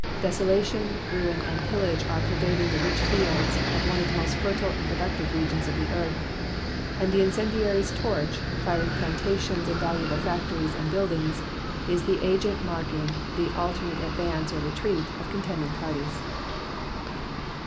Desolation, ruin, and pillage are pervading the rich fields of one of the most fertile and productive regions of the earth, and the incendiary's torch, firing plantations and valuable factories and buildings, is the agent marking the alternate advance or retreat of contending parties.